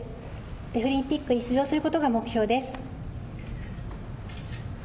デフリンピックに出場することが目標です。